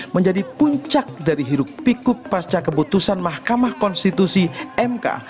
menjadi puncak dari hiruk pikuk pasca keputusan mahkamah konstitusi mk